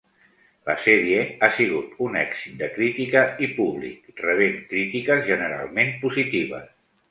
La sèrie ha sigut un èxit de crítica i públic, rebent crítiques generalment positives.